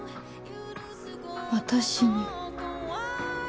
私に。